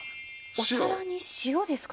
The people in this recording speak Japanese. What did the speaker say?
えっ？お皿に塩ですか？